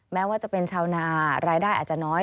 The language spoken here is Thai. แม้ว่าจะเป็นชาวนารายได้อาจจะน้อย